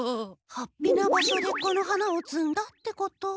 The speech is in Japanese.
はっぴな場所でこの花をつんだってこと？